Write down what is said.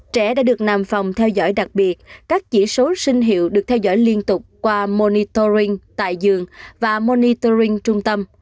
trẻ đã được nằm phòng theo dõi đặc biệt các chỉ số sinh hiệu được theo dõi liên tục qua monitoring tại giường và monitoring trung tâm